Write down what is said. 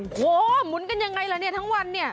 โอ้โหหมุนกันยังไงล่ะเนี่ยทั้งวันเนี่ย